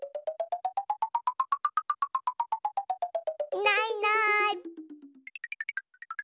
いないいない。